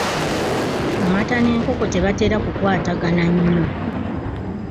Emata n’enkoko tebatera kukwatagana nnyo.